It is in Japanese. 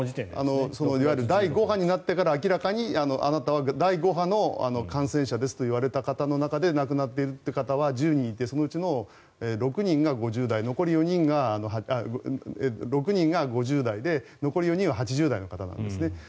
第５波になってから明らかにあなたは第５波の感染者ですと言われた方の中で亡くなっている方は１０人いてそのうちの６人が５０代で残り４人は８０代の方なんです。